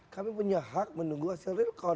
kami punya hak menunggu hasil realcon